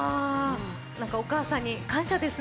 お母さんに感謝ですね。